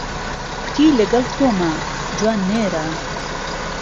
کوتی له گهڵ تۆمه جوانمێره